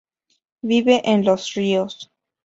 Vive en los ríos.